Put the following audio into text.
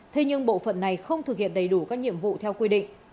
thế nhưng bộ phận này không thực hiện đầy đủ các nhiệm vụ theo quy định